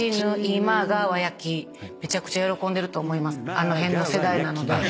あの辺の世代なので。